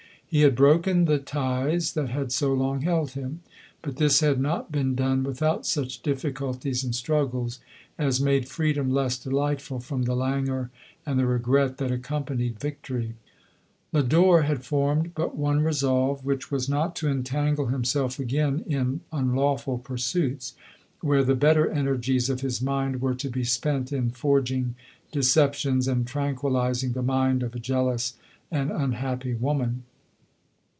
He had broken the ties that had so long held him ; but this had not been done without such difficulties and struggles, as made freedom less delightful, from the languor and regret that accompanied vic tory. Lodore had formed but one resolve, LODOft!.. 95 which was not to entangle himself again in unlawful pursuits, where the better energies of his mind were to be spent in forging deceptions, and tranquillizing the mind of a jealous and unhappy woman.